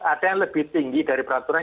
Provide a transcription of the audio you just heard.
ada yang lebih tinggi dari peraturan